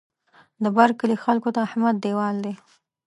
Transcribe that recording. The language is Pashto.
د بر کلي خلکو ته احمد دېوال دی.